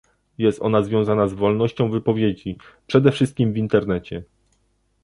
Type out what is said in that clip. Jest ona związana z wolnością wypowiedzi, przede wszystkim w internecie